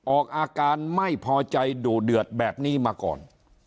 ออกอาการไม่พอใจดุเดือดแบบนี้มาก่อน